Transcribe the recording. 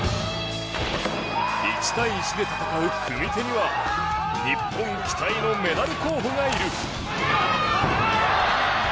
１対１で戦う組手には日本期待のメダル候補がいる。